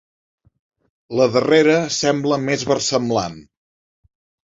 La darrera sembla més versemblant.